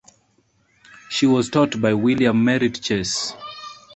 She was taught by William Merritt Chase.